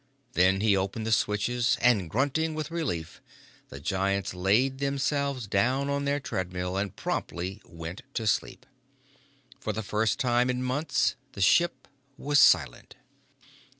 Then he opened the switches, and grunting with relief, the giants laid themselves down on their treadmill and promptly went to sleep. For the first time in months the ship was silent.